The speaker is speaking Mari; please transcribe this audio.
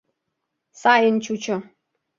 Сайын чучо.